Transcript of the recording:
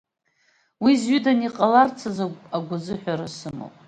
Уи зҩыданы иҟаларц азы агәазыҳәара сымоуп.